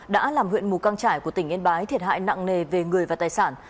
đã làm huyện mù căng trải của tỉnh yên bái thiệt hại nặng nề về người và tài sản